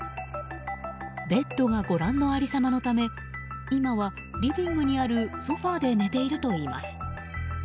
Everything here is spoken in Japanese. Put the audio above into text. ベッドがご覧の有り様のため今はリビングにあるソファで寝ているといいます。